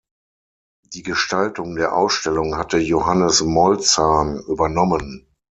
Die Gestaltung der Ausstellung hatte Johannes Molzahn übernommen.